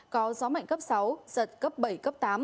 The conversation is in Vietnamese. có gió mạnh cấp sáu giật cấp bảy cấp tám